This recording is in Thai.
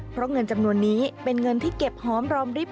เพราะเงินจำนวนนี้เป็นเงินที่เก็บหอมรอมริบ